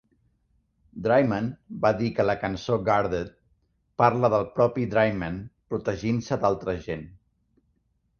Draiman va dir que la cançó "Guarded" parla del propi Draiman protegint-se d'altra gent.